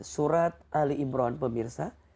surat ali imran pemirsa